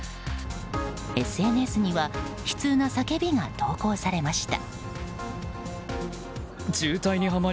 ＳＮＳには悲痛な叫びが投稿されました。